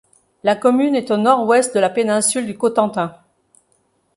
La commune est au nord-ouest de la péninsule du Cotentin.